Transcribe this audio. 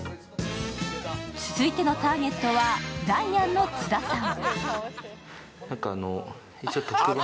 続いてのターゲットは、ダイアンの津田さん。